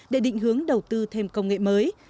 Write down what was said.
để định hướng đầu tư thêm công nghệ mới